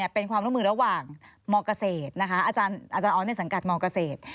เป็นความร่วมมือระหว่างมเกษตรอาจารย์ออสในสังกัดมเกษตร